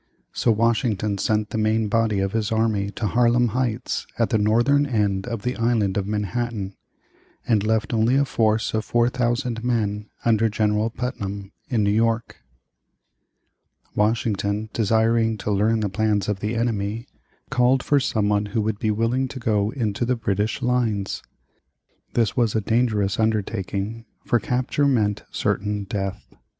So Washington sent the main body of his army to Harlem Heights at the northern end of the Island of Manhattan, and left only a force of 4,000 men, under General Putnam, in New York. Washington desiring to learn the plans of the enemy, called for someone who would be willing to go into the British lines. This was a dangerous undertaking, for capture meant certain death.